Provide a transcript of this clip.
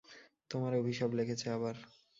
তোমার অভিশাপ লেগেছে আবার।